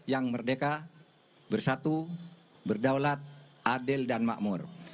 yang merdeka bersatu berdaulat adil dan makmur